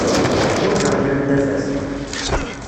Ḥwaǧeɣ kra n tafat.